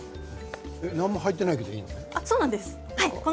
何も入っていないけどいいの？